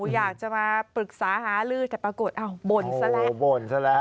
อยากจะมาปรึกษาหารืดแต่ปรากฏอ้าวบ่นซะแหละ